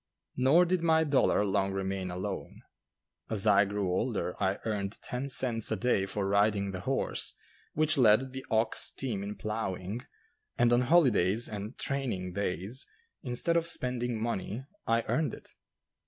Nor did my dollar long remain alone. As I grew older I earned ten cents a day for riding the horse which led the ox team in ploughing, and on holidays and "training days," instead of spending money, I earned it.